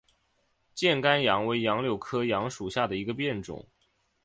箭杆杨为杨柳科杨属下的一个变种。